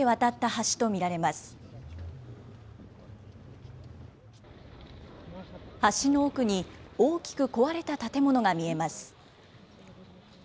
橋の奥に大きく壊れた建物が見えます。